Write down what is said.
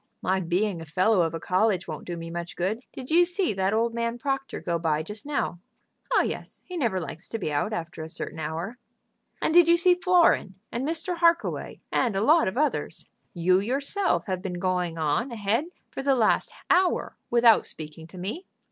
"My being a fellow of a college won't do me much good. Did you see that old man Proctor go by just now?" "Oh yes; he never likes to be out after a certain hour." "And did you see Florin, and Mr. Harkaway, and a lot of others? You yourself have been going on ahead for the last hour without speaking to me."